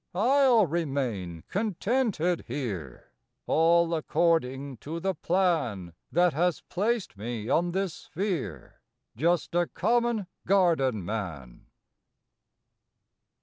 I ll remain contented here, all according to the plan That has placed me on this sphere just a common garden man.